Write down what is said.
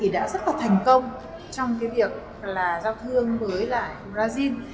đã rất thành công trong việc giao thương với brazil